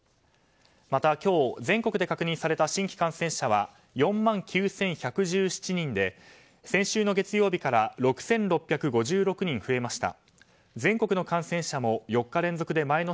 また、今日全国で確認された新規感染者は４万９１１７人で先週の月曜日から６６５６人増えました。